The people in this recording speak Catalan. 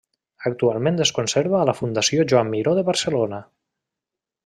Actualment es conserva a la Fundació Joan Miró de Barcelona.